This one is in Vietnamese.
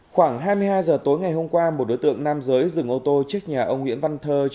khoảng hai mươi hai giờ tối ngày hôm qua một đối tượng nam giới dừng ô tô trước nhà ông nguyễn văn thơ